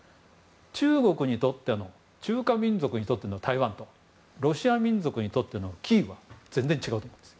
中国、中華民族にとっての台湾とロシア民族にとってのキーウは全然違うと思うんです。